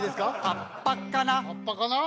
葉っぱかな？